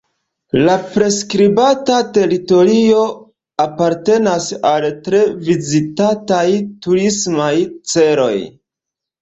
La priskribata teritorio apartenas al tre vizitataj turismaj celoj.